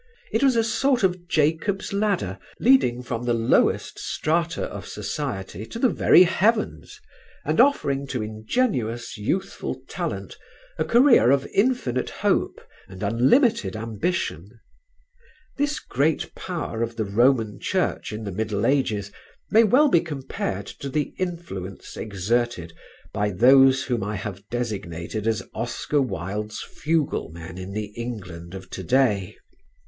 It was a sort of "Jacob's Ladder" leading from the lowest strata of society to the very heavens and offering to ingenuous, youthful talent a career of infinite hope and unlimited ambition. This great power of the Roman Church in the middle ages may well be compared to the influence exerted by those whom I have designated as Oscar Wilde's fuglemen in the England of today.